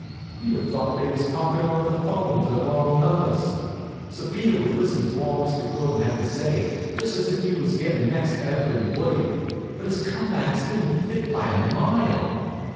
You'd have thought they was talkin' over the 'phone to the wrong numbers. Sir Peter would listen to all Mr. Gordon had to say, just as if he was gettin' next to every word, but his come backs didn't fit by a mile.